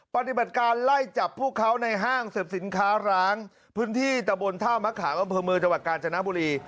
ปฏิบัติการไล่จับพวกเขาในห้างเสริมสินค้าร้างพื้นที่ตะบนท่ามะขามอำเภอเมืองจังหวัดกาญจนบุรี